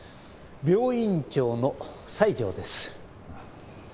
病院長の西条です。